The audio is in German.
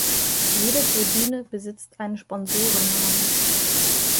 Jede Tribüne besitzt einen Sponsoren-Namen.